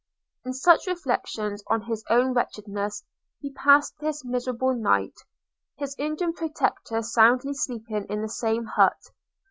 In such reflections on his own wretchedness he passed this miserable night, his Indian protector soundly sleeping in the same hut.